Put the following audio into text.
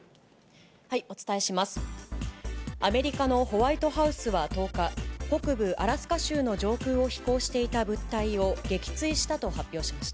アメリカのホワイトハウスは１０日、北部アラスカ州の上空を飛行していた物体を撃墜したと発表しました。